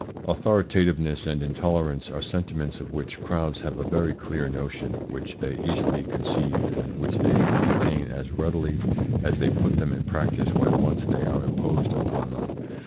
Authoritativeness and intolerance are sentiments of which crowds have a very clear notion, which they easily conceive and which they entertain as readily as they put them in practice when once they are imposed upon them.